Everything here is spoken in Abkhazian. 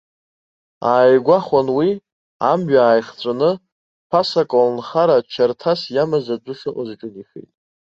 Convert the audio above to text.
Ааигәахәын уи, амҩа ааихҵәаны, ԥаса аколнхара чарҭас иамаз адәы шыҟаз иҿынеихеит.